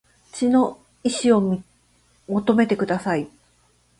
血の遺志を求めてください